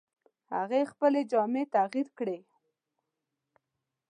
هغه خپلې جامې تغیر کړې.